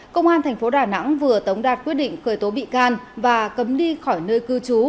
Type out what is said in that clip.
công an thành phố đà nẵng vừa tống đạt quyết định khởi tố bị can và cấm đi khỏi nơi cư trú